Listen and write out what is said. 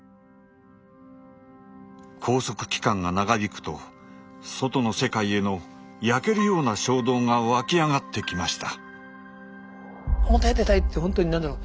拘束期間が長引くと外の世界への焼けるような衝動が湧き上がってきました。